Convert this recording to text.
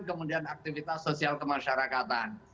kemudian aktivitas sosial kemasyarakatan